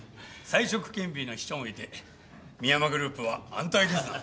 才色兼備の秘書もいて深山グループは安泰ですな。